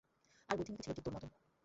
আর বুদ্ধিমতী ছিল, ঠিক তোর মতো।